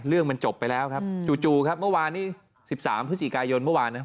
เรื่องมันจบไปแล้วครับจู่ครับเมื่อวานนี้๑๓พฤศจิกายนเมื่อวานนะครับ